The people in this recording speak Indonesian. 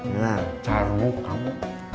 nah caranya kamu